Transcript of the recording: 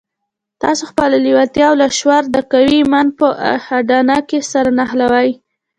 تاسې خپله لېوالتیا او لاشعور د قوي ايمان په اډانه کې سره نښلوئ.